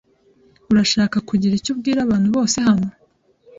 Urashaka kugira icyo ubwira abantu bose hano?